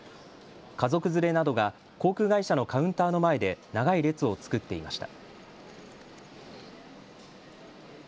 家族連れなどが航空会社のカウンターの前で長い列を作っていました。